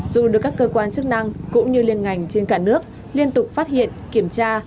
dù được các cơ quan chức năng cũng như liên ngành trên cả nước liên tục phát hiện kiểm tra